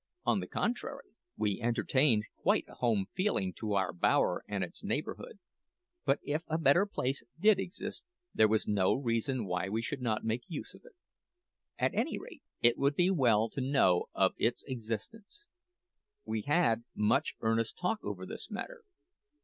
On the contrary, we entertained quite a home feeling to our bower and its neighbourhood; but if a better place did exist, there was no reason why we should not make use of it. At any rate, it would be well to know of its existence. We had much earnest talk over this matter.